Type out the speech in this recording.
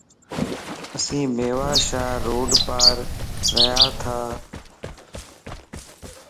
اسين ميوا شاه روڊ پار رھياتا.